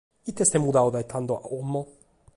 Ite est mudadu dae tando a como?